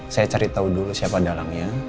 saya cari tahu dulu siapa dalangnya